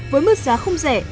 với mức giá không rẻ